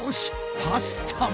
パスタも。